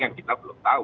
yang kita belum tahu